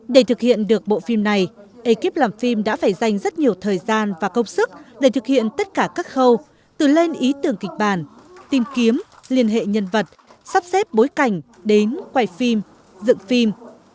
để thực hiện được bộ phim này ekip làm phim đã phải dành rất nhiều thời gian và công sức để thực hiện tất cả các khâu từ lên ý tưởng kịch bản tìm kiếm liên hệ nhân vật sắp xếp bối cảnh đến quay phim dựng phim